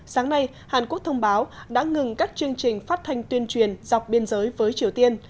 sáng nay hàn quốc thông báo đã ngừng các chương trình phát thanh tuyên truyền dọc biên giới với triều tiên